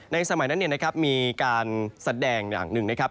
ในสมัยนั้นเนี่ยนะครับมีการแสดงหนึ่งนะครับ